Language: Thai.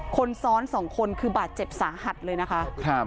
คนซ้อนสองคนคือบาดเจ็บสาหัสเลยนะคะ